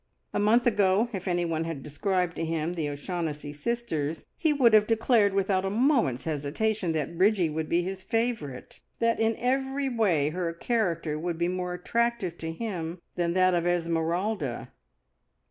A month ago, if anyone had described to him the O'Shaughnessy sisters, he would have declared without a moment's hesitation that Bridgie would be his favourite that in every way her character would be more attractive to him than that of Esmeralda.